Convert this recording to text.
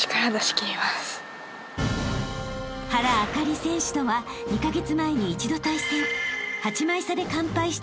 ［原あかり選手とは２カ月前に１度対戦］